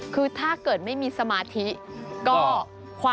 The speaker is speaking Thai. คือถ้าเกิดไม่มีสมาธิก็